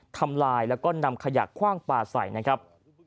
ทำลายแล้วก็นำขยะคว่างปลาใส่นะครับ